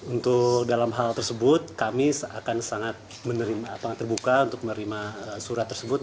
untuk dalam hal tersebut kami akan sangat terbuka untuk menerima surat tersebut